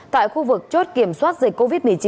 tại khu vực chốt kiểm soát dịch covid một mươi chín